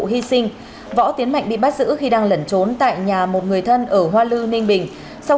hy sinh võ tiến mạnh bị bắt giữ khi đang lẩn trốn tại nhà một người thân ở hoa lư ninh bình sau